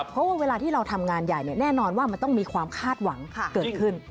เพราะว่าเวลาที่เราทำงานใหญ่แน่นอนว่ามันต้องมีความคาดหวังเกิดขึ้น